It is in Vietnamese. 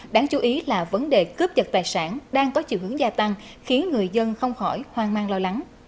đáng chú ý là vấn đề cướp giật tài sản đang có chiều hướng gia tăng khiến người dân không khỏi hoang mang lo lắng